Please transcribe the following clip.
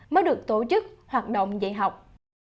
mới được tổ chức hoạt động dị học